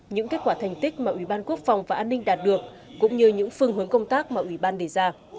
những kết quả thành tích mà ủy ban quốc phòng và an ninh đạt được cũng như những phương hướng công tác mà ủy ban đề ra